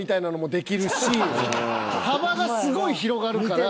幅がすごい広がるから。